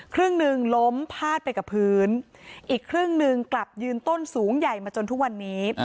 ครึ่งหนึ่งล้มพาดไปกับพื้นอีกครึ่งหนึ่งกลับยืนต้นสูงใหญ่มาจนทุกวันนี้